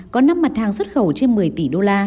có năm mặt hàng xuất khẩu trên một mươi tỷ usd